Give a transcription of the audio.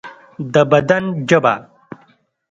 د بدن ژبه